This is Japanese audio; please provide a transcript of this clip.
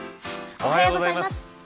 おはようございます。